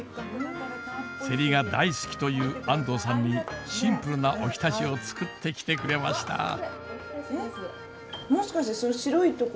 セリが大好きという安藤さんにシンプルなおひたしを作ってきてくれました。